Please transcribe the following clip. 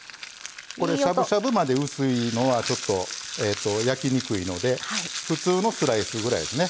しゃぶしゃぶまで薄いのはちょっと焼きにくいので普通のスライスぐらいですね。